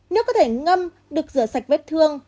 nước có thể ngâm được rửa sạch vết thương